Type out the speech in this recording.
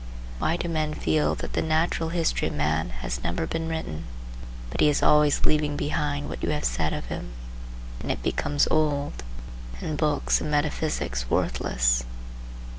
Why do men feel that the natural history of man has never been written, but he is always leaving behind what you have said of him, and it becomes old, and books of metaphysics worthless?